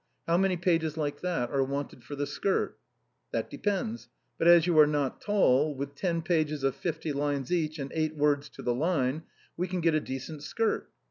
How many pages like that are wanted for the skirt?" " That depends ; but as you are not tall, with ten pages of fifty lines each, and eight words to the line, we can get a decent skirt."